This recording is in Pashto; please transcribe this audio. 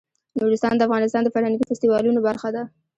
نورستان د افغانستان د فرهنګي فستیوالونو برخه ده.